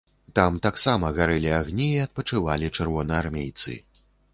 Там таксама гарэлі агні і адпачывалі чырвонаармейцы.